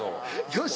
「よし！